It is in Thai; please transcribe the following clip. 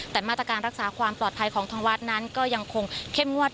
แต่มาตรการรักษาความปลอดภัยของทางวัดนั้นก็ยังคงเข้มงวด